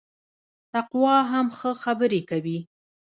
تقوا هم ښه خبري کوي